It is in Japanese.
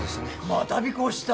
また尾行した。